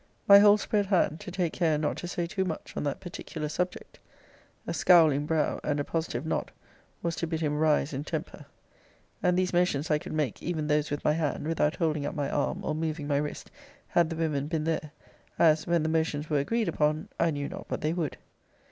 My whole spread hand, to take care not to say too much on that particular subject. A scowling brow, and a positive nod, was to bid him rise in temper. And these motions I could make, even those with my hand, without holding up my arm, or moving my wrist, had the women been there; as, when the motions were agreed upon, I knew not but they would.